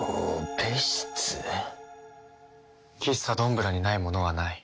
喫茶どんぶらにないものはない。